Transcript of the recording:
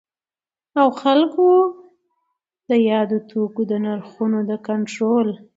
او خلګو د یادو توکو د نرخونو د کنټرول